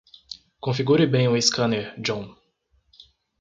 Configure bem o scanner, John.